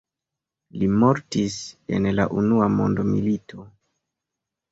Li mortis en la Unua mondmilito.